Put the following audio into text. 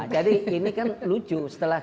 jadi ini kan lucu